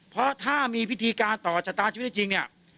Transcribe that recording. เพราะถ้ามีพิธีการต่อชะตาชีวิตจริงเนี่ย